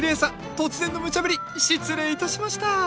突然のムチャぶり失礼いたしました。